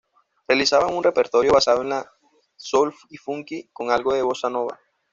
Realizaban un repertorio basado en el soul y funky, con algo de bossa nova.